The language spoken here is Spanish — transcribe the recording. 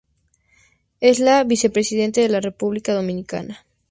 Es la vicepresidente de la República Dominicana.